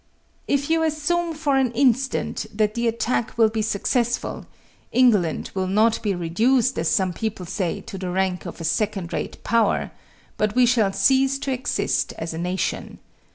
If you assume, for an instant, that the attack will be successful, England will not be reduced, as some people say, to the rank of a second rate power, but we shall cease to exist as a nation.